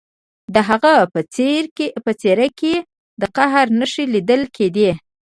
د هغه په څیره کې د قهر نښې لیدل کیدې